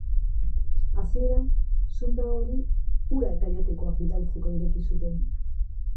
Hasieran, zunda hori ura eta jatekoak bidaltzeko ireki zuten.